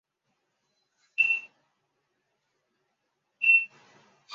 因加泽拉是巴西伯南布哥州的一个市镇。